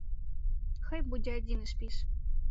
Хай будзе адзіны спіс.